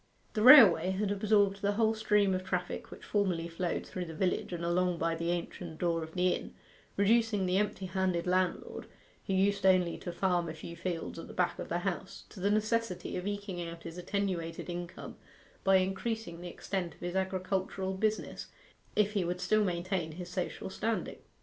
The railway had absorbed the whole stream of traffic which formerly flowed through the village and along by the ancient door of the inn, reducing the empty handed landlord, who used only to farm a few fields at the back of the house, to the necessity of eking out his attenuated income by increasing the extent of his agricultural business if he would still maintain his social standing.